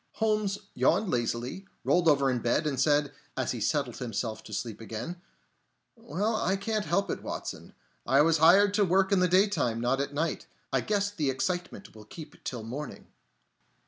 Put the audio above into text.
Holmes yawned lazily, rolled over in bed, and said, as he settled himself to sleep again: "Well, I can't help it, Watson. I was hired to work in the daytime, not at night. I guess the excitement will keep till morning."